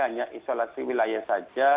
hanya isolasi wilayah saja